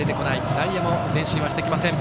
内野も前進してきません。